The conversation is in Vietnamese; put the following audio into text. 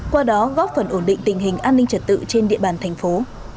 qua đó góp phần ổn định tình hình an ninh trật tự trên địa bàn thành phố